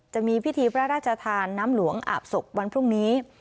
จะมีพิธีพระราชทานน้ำหลวงอาบศพวันพรุ่งนี้